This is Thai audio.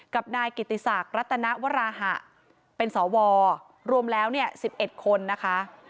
กับนายกิติศักดิ์รัตนวราหะเป็นสวรวมแล้วเนี่ย๑๑คนนะคะ